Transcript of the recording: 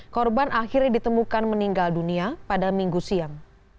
korban akhirnya ditemukan meninggal dunia pada minggu siang